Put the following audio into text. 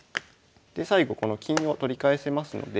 で最後この金を取り返せますので。